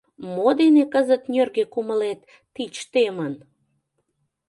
Мо дене кызыт нӧргӧ кумылет тич темын?